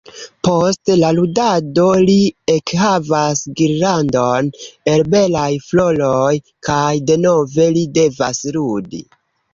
Post la ludado li ekhavas girlandon el belaj floroj kaj denove li devas ludi.